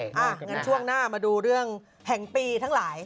อย่างนั้นช่วงหน้ามาดูเรื่องแห่งปีทั้งหลาย